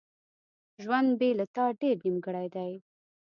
ژوند بیله تا ډیر نیمګړی دی.